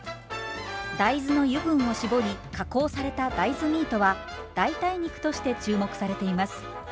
大豆の油分を搾り加工された大豆ミートは代替肉として注目されています。